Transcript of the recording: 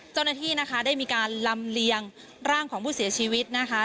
เจ้าหน้าที่นะคะได้มีการลำเลียงร่างของผู้เสียชีวิตนะคะ